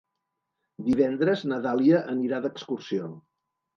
Divendres na Dàlia anirà d'excursió.